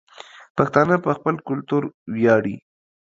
پښتانه په خپل کلتور وياړي